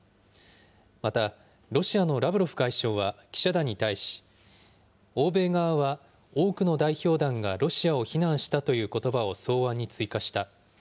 また、ロシアのラブロフ外相は記者団に対し、欧米側は多くの代表団がロシアを非難したということばを草案に追加した。